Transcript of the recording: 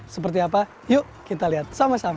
seperti apa yuk kita lihat sama sama